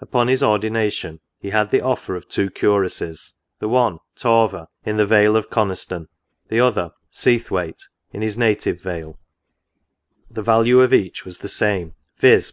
Upon his ordination, he had the offer of two curacies ; the one, Torver, in the vale of Coniston, — the other, Seathwaite, in his native vale. The value of each was the same, viz.